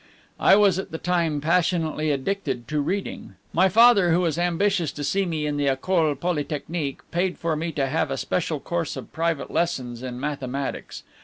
I was at the time passionately addicted to reading. My father, who was ambitious to see me in the Ecole Polytechnique, paid for me to have a special course of private lessons in mathematics.